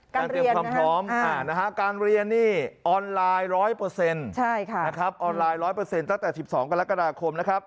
การเรียนความพร้อมการเรียนนี่ออนไลน์๑๐๐ตั้งแต่๑๒กรกฎาคม